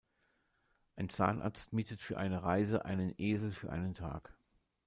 Ein Zahnarzt mietet für eine Reise einen Esel für einen Tag.